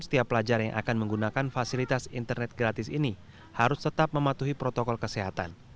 setiap pelajar yang akan menggunakan fasilitas internet gratis ini harus tetap mematuhi protokol kesehatan